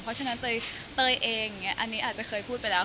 เพราะฉะนั้นเตยเองอันนี้อาจจะเคยพูดไปแล้ว